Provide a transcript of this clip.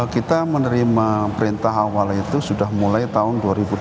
kita menerima perintah awal itu sudah mulai tahun dua ribu dua puluh